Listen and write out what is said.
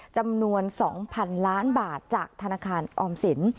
จำนวน๒๐๐๐ล้านบาทจากธนาคารออมสิน